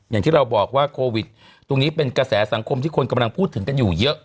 อย่างที่เราบอกว่าโควิดตรงนี้เป็นกระแสสังคมที่คนกำลังพูดถึงกันอยู่เยอะ